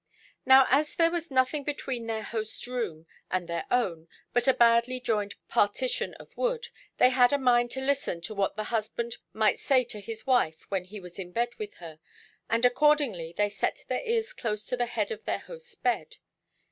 Now, as there was nothing between their host's room and their own but a badly joined partition of wood, they had a mind to listen to what the husband might say to his wife when he was in bed with her, and accordingly they set their ears close to the head of their host's bed.